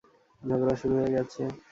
ঝগড়া শুরু হয়ে গেছে।